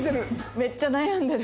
めっちゃ悩んでる。